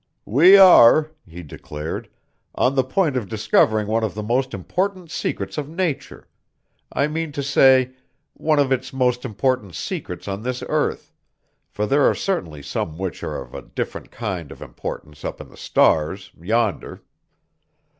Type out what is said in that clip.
"We are," he declared, "on the point of discovering one of the most important secrets of nature, I mean to say, one of its most important secrets on this earth, for there are certainly some which are of a different kind of importance up in the stars, yonder.